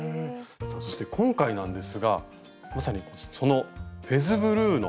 さあそして今回なんですがまさにその「フェズブルー」の。